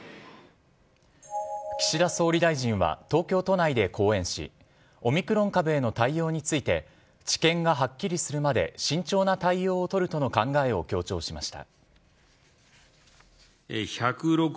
岸田総理大臣は東京都内で講演しオミクロン株への対応について知見がはっきりするまで慎重な対応を取るとの考えを強調しました。